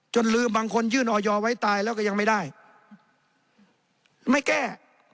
ลืมบางคนยื่นออยไว้ตายแล้วก็ยังไม่ได้ไม่แก้